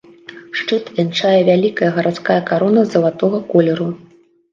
Шчыт вянчае вялікая гарадская карона залатога колеру.